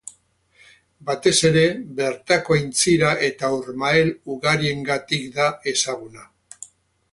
Batez ere bertako aintzira eta urmael ugariengatik da ezaguna.